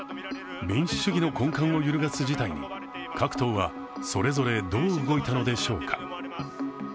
民主主義の根幹を揺るがす事態に各党はそれぞれどう動いたのでしょうか。